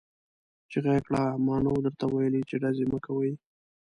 چيغه يې کړه! ما نه وو درته ويلي چې ډزې مه کوئ!